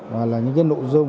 và là những cái nội dung